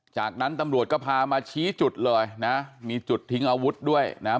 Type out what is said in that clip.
จากนั้นตำรวจก็พามาชี้จุดเลยนะมีจุดทิ้งอาวุธด้วยนะฮะ